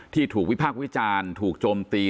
ที่ถูกวิพากษ์วิจารณ์ถูกโจมตี